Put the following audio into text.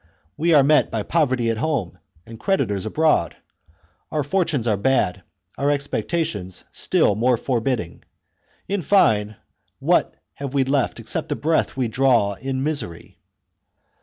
We are met by poverty at home and creditors abroad. Our fortunes are bad, our expectations still more forbidding. In fine, what have we left except the breath we draw in misery